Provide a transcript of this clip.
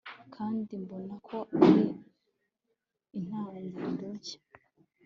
kandi mbona ko ari intangiriro nshya